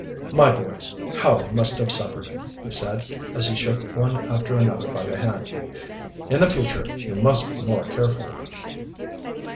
"My boys, how you must have suffered!" he said, as he shook one after another by the hand. "In the future you must be more careful!"